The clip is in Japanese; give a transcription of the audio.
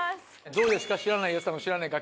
どうですか？